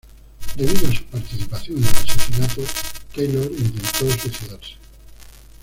Debido a su participación en el asesinato, Taylor intentó suicidarse.